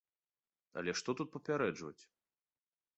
Але што тут папярэджваць?